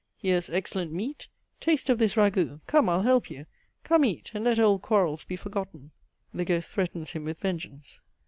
Here's excellent meat, taste of this ragout. Come, I'll help you, come eat, and let old quarrels be forgotten. (The ghost threatens him with vengeance.)